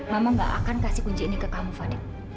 mama nggak akan kasih kunci ini ke kamu fadil